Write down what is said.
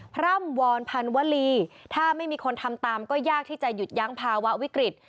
พร่ำวอนพันวลีถ้าไม่มีคนทำตามก็ยากที่จะหยุดยั้งภาวะวิกฤต